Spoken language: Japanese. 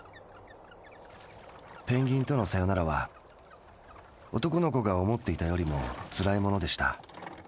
ペンギンとのサヨナラは男の子が思っていたよりもつらいものでした。